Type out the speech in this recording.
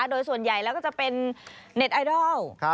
โดยส่วนใหญ่แล้วก็จะเป็นเน็ตไอดอล